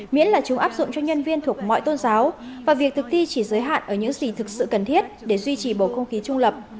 miễn là chúng áp dụng cho nhân viên thuộc mọi tôn giáo và việc thực thi chỉ giới hạn ở những gì thực sự cần thiết để duy trì bầu không khí trung lập